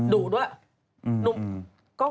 ดุด้วย